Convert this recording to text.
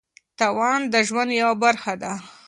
تاوان د ژوند یوه برخه ده.